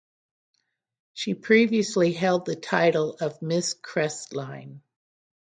She previously held the title of "Miss Crestline".